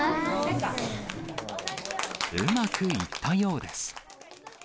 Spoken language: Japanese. うまくいったようです。